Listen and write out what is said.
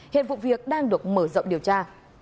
hiện vụ việc đang được mở rộng điều tra